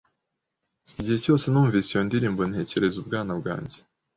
Igihe cyose numvise iyo ndirimbo, ntekereza ubwana bwanjye.